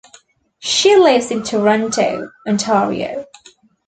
She lives in Toronto, Ontario.